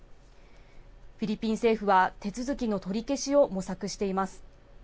フィリピン政府は、手続きの取り消しを模索しています。